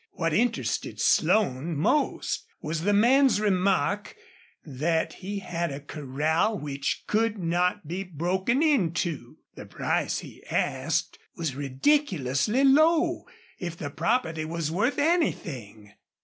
What interested Slone most was the man's remark that he had a corral which could not be broken into. The price he asked was ridiculously low if the property was worth anything.